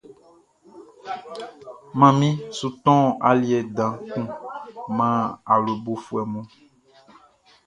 Manmi su tɔn aliɛ dan kun man awlobofuɛ mun.